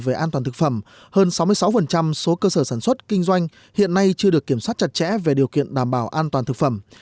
về an toàn thực phẩm hơn sáu mươi sáu số cơ sở sản xuất kinh doanh hiện nay chưa được kiểm soát chặt chẽ về điều kiện đảm bảo an toàn thực phẩm